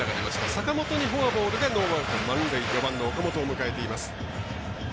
坂本にフォアボールでノーアウト満塁４番の岡本を迎えています。